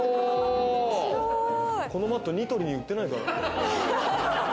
このマット、ニトリに売ってないかなぁ。